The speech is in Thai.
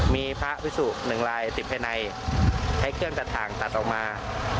มีพระพิสุหนึ่งลายติดภายในใช้เครื่องตัดถ่างตัดออกมา